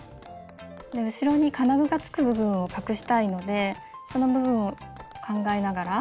後ろに金具がつく部分を隠したいのでその部分を考えながら。